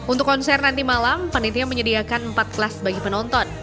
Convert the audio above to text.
untuk konser nanti malam panitia menyediakan empat kelas bagi penonton